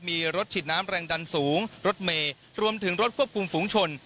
มีรถฉีดน้ำแรงดันสูงรถเมย์รวมถึงรถควบคุมฝูงชน